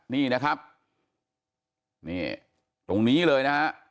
นี่นะครับตรงนี้เลยนะครับ